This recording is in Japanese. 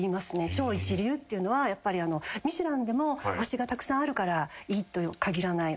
超一流っていうのは『ミシュラン』でも星がたくさんあるからいいと限らない。